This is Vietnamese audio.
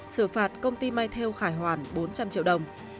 xử phạt công ty may thêu khải hoàn bốn trăm linh triệu đồng